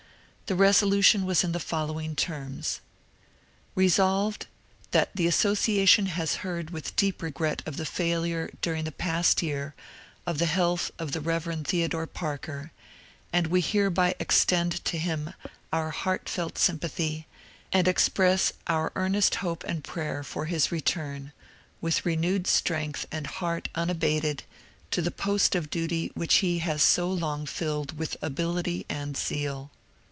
The resolution was in the following terms: — Resolved^ That the association has heard with deep regret of the failure, during the past year, of the health of the Key. Theodore Parker ; and we hereby extend to him our heartfelt sympathy, and express our earnest hope and prayer for his return, with renewed strength and heart unabated, to the post of duty which he has so long filled with ability and zeal.